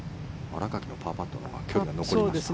新垣のパーパットのほうが距離が残りました。